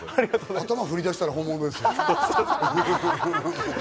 頭振り出したら本物ですよ。